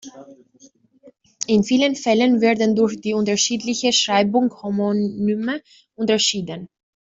In vielen Fällen werden durch die unterschiedliche Schreibung Homonyme unterschieden.